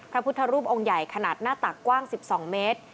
พระพุทธรูปองค์ใหญ่ขนาดหน้าตักกว้าง๑๒เมตร